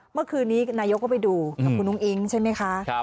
เมื่อคืนนี้นายกก็ไปดูกับคุณอุ้งอิ๊งใช่ไหมคะ